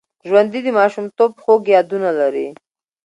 ژوندي د ماشومتوب خوږ یادونه لري